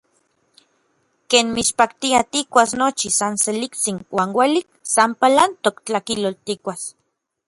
Ken mitspaktia tikkuas nochi san seliktsin uan uelik, san palantok tlakilotl tikkuas.